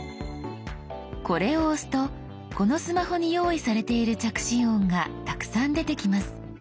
これを押すとこのスマホに用意されている着信音がたくさん出てきます。